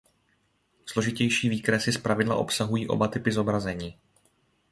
Složitější výkresy zpravidla obsahují oba typy zobrazení.